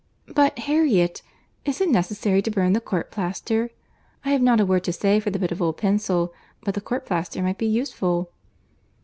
"But, Harriet, is it necessary to burn the court plaister?—I have not a word to say for the bit of old pencil, but the court plaister might be useful."